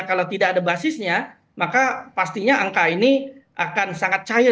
kalau tidak ada basisnya maka pastinya angka ini akan sangat cair